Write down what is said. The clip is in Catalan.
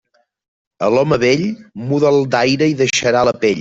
A l'home vell, muda'l d'aire i deixarà la pell.